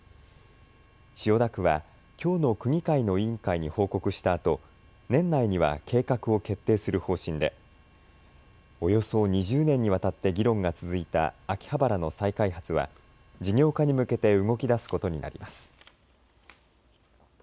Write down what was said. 千代田区はきょうの区議会の委員会に報告したあと年内には計画を決定する方針でおよそ２０年にわたって議論が続いた秋葉原の再開発は事業化に向けて動きだすことになります。